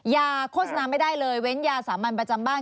โฆษณาไม่ได้เลยเว้นยาสามัญประจำบ้าน